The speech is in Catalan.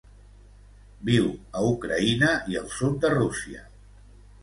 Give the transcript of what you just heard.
Viu a Ucraïna i el sud de Rússia.